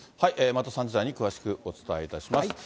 また３時台に詳しくお伝えいたします。